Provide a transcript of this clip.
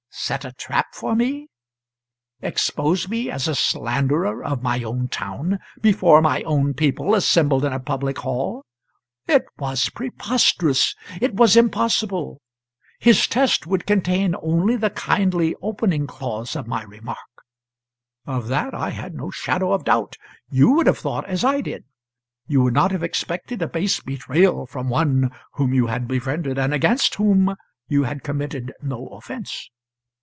set a trap for me? expose me as a slanderer of my own town before my own people assembled in a public hall? It was preposterous; it was impossible. His test would contain only the kindly opening clause of my remark. Of that I had no shadow of doubt. You would have thought as I did. You would not have expected a base betrayal from one whom you had befriended and against whom you had committed no offence.